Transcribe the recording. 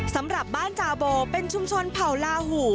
สำหรับบ้านจาโบเป็นชุมชนเผ่าลาหู